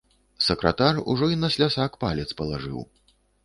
Сакратар ужо й на слясак палец палажыў.